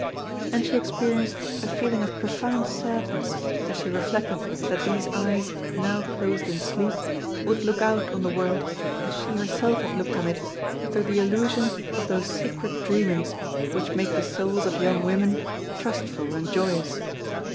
And she experienced a feeling of profound sadness as she reflected that these eyes now closed in sleep would look out on the world, as she herself had looked on it, through the illusion of those secret dreamings which make the souls of young women trustful and joyous.